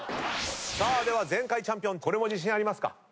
では前回チャンピオンこれも自信ありますか？